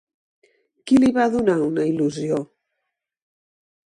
Qui li va donar una il·lusió?